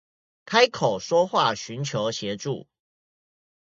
開口說話尋求協助